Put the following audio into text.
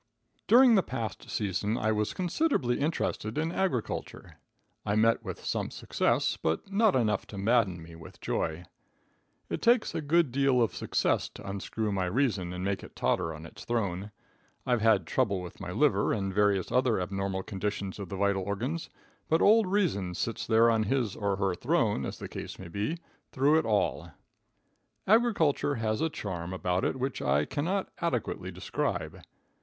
During the past season I was considerably interested in agriculture. I met with some success, but not enough to madden me with joy. It takes a good deal of success to unscrew my reason and make it totter on its throne. I've had trouble with my liver, and various other abnormal conditions of the vital organs, but old reason sits there on his or her throne, as the case may be, through it all. Agriculture has a charm about it which I can not adequately describe.